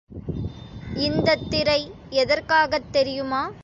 இந்தத் திரை எதற்காகத் தெரியுமா?